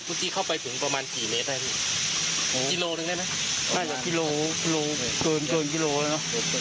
ที่เข้าไปถึงประมาณกี่เมตรได้พี่กิโลหนึ่งได้ไหมน่าจะกิโลเกินเกินกิโลแล้วเนอะ